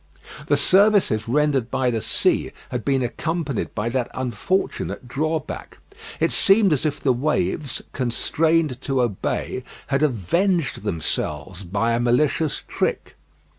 The services rendered by the sea had been accompanied by that unfortunate drawback. It seemed as if the waves, constrained to obey, had avenged themselves by a malicious trick.